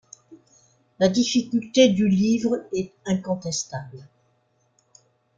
La difficulté du livre est incontestable.